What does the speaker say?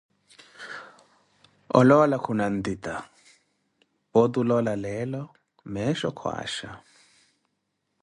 oloola khuna ntita, pooti oloola leelo meecho kwaasha.